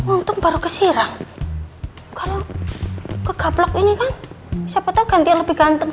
untung baru keserang kalau ke gablok ini kan siapa tahu ganti yang lebih ganteng